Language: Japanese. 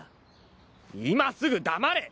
今すぐ黙れ！